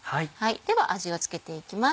では味を付けていきます。